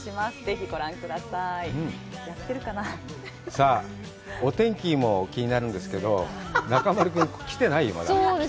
さあ、お天気も気になるんですけど、中丸君、来てないよ、まだ。